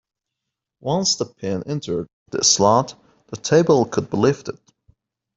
Once the pin entered the slot, the table could be lifted.